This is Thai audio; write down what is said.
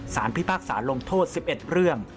พิพากษาลงโทษ๑๑เรื่อง